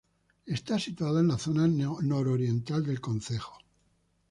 Está situada en la zona nororiental del concejo.